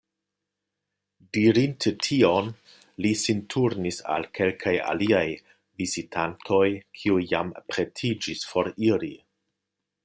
Dirinte tion, li sin turnis al kelkaj aliaj vizitantoj, kiuj jam pretiĝis foriri.